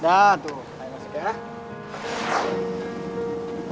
udah tuh ayo masuk ya